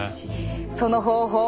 その方法